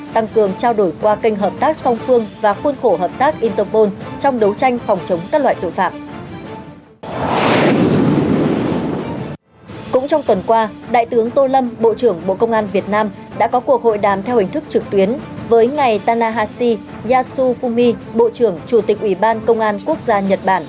đã có cuộc hội đàm theo hình thức trực tuyến với ngài tanahashi yasufumi bộ trưởng chủ tịch ủy ban công an quốc gia nhật bản